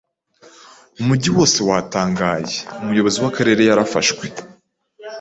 Umujyi wose watangaye, umuyobozi w'akarere yarafashwe.